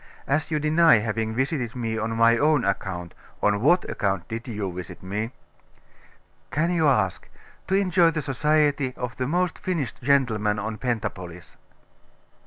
As you deny having visited me on my own account, on what account did you visit me?' 'Can you ask? To enjoy the society of the most finished gentleman of Pentapolis.